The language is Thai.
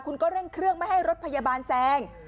คุณก็เร่งเครื่องไม่ให้รถพยาบาลแซง